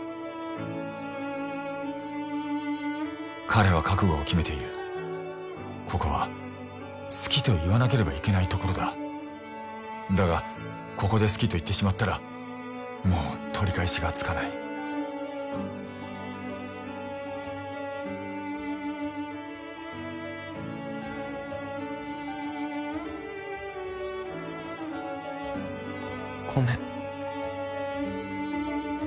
彼は覚悟を決めているここは好きと言わなければいけないところだだがここで好きと言ってしまったらもう取り返しがつかないごめん